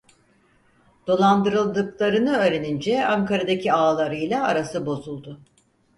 Dolandırıldıklarını öğrenince Ankara'daki ağalarıyla arası bozuldu.